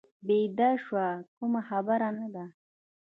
بیده شو، کومه خبره نه ده.